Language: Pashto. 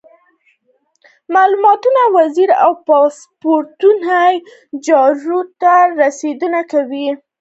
ډيپلومات د ویزو او پاسپورټ چارو ته رسېدنه کوي.